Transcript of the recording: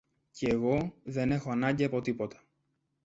κι εγώ δεν έχω ανάγκη από τίποτα.